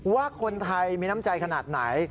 ว่าคนไทยมีน้ำใจขนาดไหน